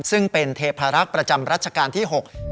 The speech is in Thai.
ซึ่งเป็นเทพารักษ์ประจำรัชกาลที่๖